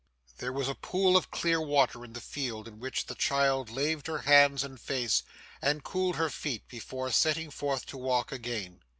There was a pool of clear water in the field, in which the child laved her hands and face, and cooled her feet before setting forth to walk again.